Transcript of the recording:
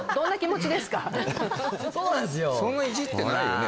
そんなイジってないよね